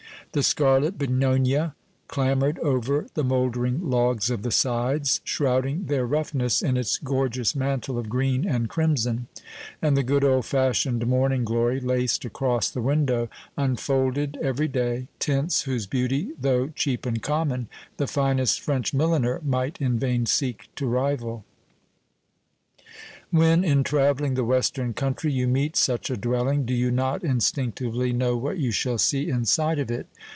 The scarlet bignonia clambered over the mouldering logs of the sides, shrouding their roughness in its gorgeous mantle of green and crimson, and the good old fashioned morning glory, laced across the window, unfolded, every day, tints whose beauty, though cheap and common, the finest French milliner might in vain seek to rival. When, in travelling the western country, you meet such a dwelling, do you not instinctively know what you shall see inside of it?